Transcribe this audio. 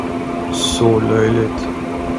Så löjligt!